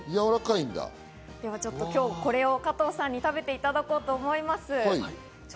これを今日、加藤さんに食べていただこうと思います。